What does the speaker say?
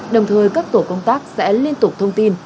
đồng thời các tổ công tác sẽ liên tục thông tin